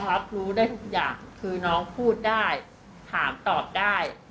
ไม่เชื่อค่ะ